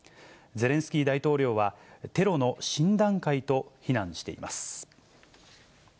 ゼレンスキー大統領は、テロの新段階と非難しています。